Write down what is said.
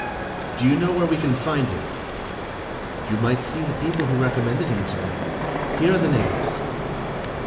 "Do you know where we can find him?" "You might see the people who recommended him to me. Here are the names."